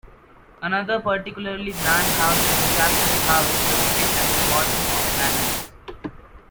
Another particularly grand house is The Captain's House, located at the bottom of Mallams.